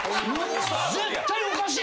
絶対おかしい。